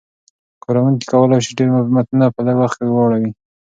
کاروونکي کولای شي ډېر متنونه په لږ وخت کې واړوي.